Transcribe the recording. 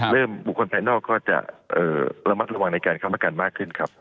บุคคลภายนอกก็จะระมัดระวังในการค้ำประกันมากขึ้นครับ